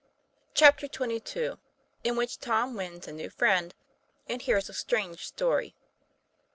CHAPTER XXII. IN WHICH TOM WINS A NEW FRIEND AND HEARS A STRANGE STORY.